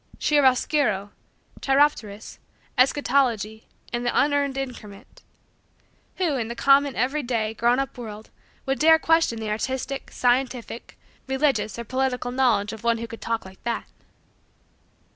"Chiaroscuro," "cheiropterous," "eschatology," and the "unearned increment" who, in the common, every day, grown up, world, would dare question the artistic, scientific, religious, or political, knowledge of one who could talk like that?